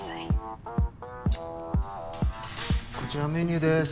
こちらメニューです。